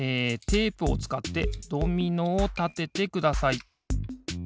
テープをつかってドミノをたててください。